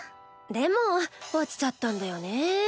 でも落ちちゃったんだよね。